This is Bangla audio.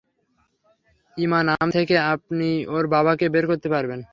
ইমা নাম থেকেই আপনি ওর বাবাকে বের করতে পারবেন।